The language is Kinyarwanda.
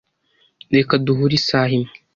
Reka duhure isaha imwe.